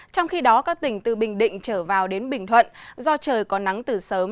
trong khi đó các tỉnh từ bình định trở vào đến bình thuận do trời có nắng từ sớm